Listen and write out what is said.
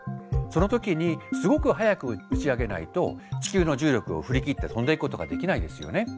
その時にすごく速く打ち上げないと地球の重力を振り切って飛んでいくことができないですよね。